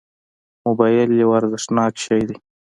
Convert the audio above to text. موبایل یو ارزښتناک شی دی.